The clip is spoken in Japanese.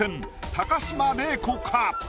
高島礼子か？